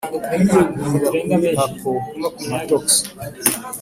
kwiyegurira kuri appomattox